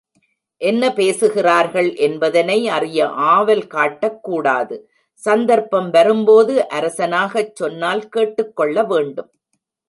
என்ன பேசுகிறார்கள் என்பதனை அறிய ஆவல் காட்டக் கூடாது சந்தர்ப்பம் வரும்போது அரசனாகச் சொன்னால் கேட்டுக் கொள்ள வேண்டும்.